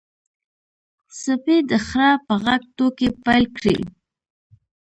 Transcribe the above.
سپي د خره په غږ ټوکې پیل کړې.